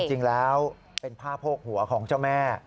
จริงแล้วเป็นผ้าโพกหัวของเจ้าแม่